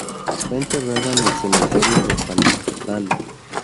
Fue enterrada en el Cementerio de Palmdale.